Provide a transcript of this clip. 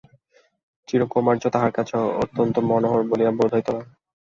চিরকৌমার্য তাহার কাছে অত্যন্ত মনোহর বলিয়া বোধ হইত না।